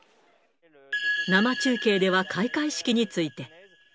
生中継では開会式について。